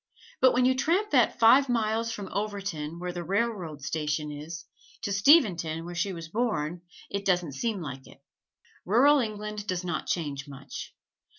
But when you tramp that five miles from Overton, where the railroad station is, to Steventon, where she was born, it doesn't seem like it. Rural England does not change much.